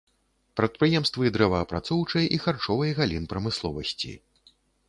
Прадпрыемствы дрэваапрацоўчай і харчовай галін прамысловасці.